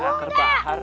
eh akar bahar